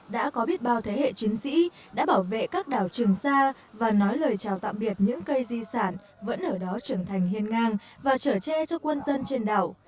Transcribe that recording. đã có biết bao thế hệ chiến sĩ đã bảo vệ các đảo trường sa và nói lời chào tạm biệt những cây di sản vẫn ở đó trưởng thành hiên ngang và trở tre cho quân dân trên đảo